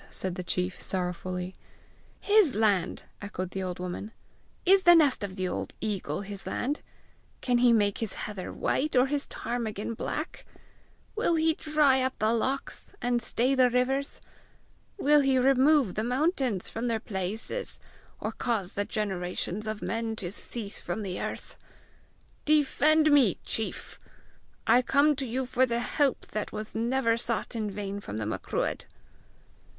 said the chief sorrowfully. "His land!" echoed the old woman. "Is the nest of the old eagle his land? Can he make his heather white or his ptarmigan black? Will he dry up the lochs, and stay the rivers? Will he remove the mountains from their places, or cause the generations of men to cease from the earth? Defend me, chief! I come to you for the help that was never sought in vain from the Macruadh!"